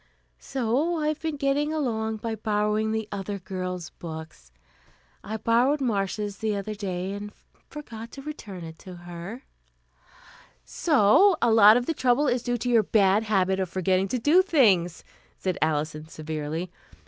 So I've been getting along by borrowing the other girls' books. I borrowed Marcia's the other day, and forgot to return it to her " "So a lot of the trouble is due to your bad habit of forgetting to do things," said Alison severely.